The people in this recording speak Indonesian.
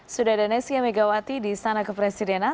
sudah ada nesia megawati di sana kepresidenan